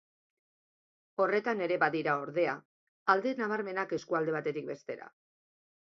Horretan ere badira, ordea, alde nabarmenak eskualde batetik bestera.